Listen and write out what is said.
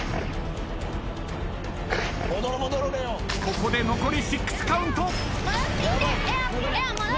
ここで残り６カウント。